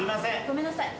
ごめんなさい。